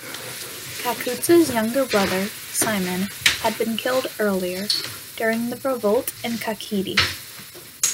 Kakutsa's younger brother, Simon, had been killed earlier, during the revolt in Kakheti.